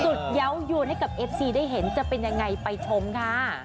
เยาว์ยวนให้กับเอฟซีได้เห็นจะเป็นยังไงไปชมค่ะ